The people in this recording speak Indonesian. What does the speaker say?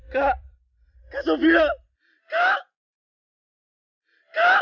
kak kak sofia kak